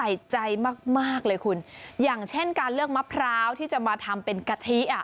อย่างเช่นการเลือกมะพร้าวที่จะมาทำเป็นกะทิ